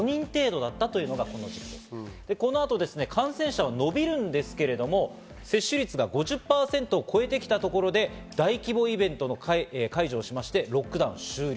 この後、感染者が伸びるんですけど、接種率が５０％を超えてきたところで大規模イベントの解除をしまして、ロックダウン終了。